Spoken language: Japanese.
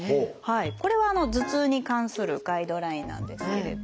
これは頭痛に関するガイドラインなんですけれども。